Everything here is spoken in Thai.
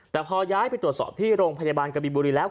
แต่พอย้ายไปตรวจสอบที่โรงพยาบาลกบินบุรีแล้ว